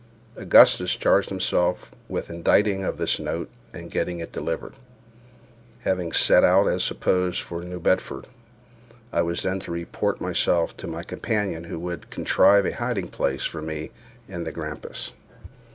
Augustus charged himself with the inditing of this note and getting it delivered. Having set out as supposed, for New Bedford, I was then to report myself to my companion, who would contrive a hiding place for me in the Grampus.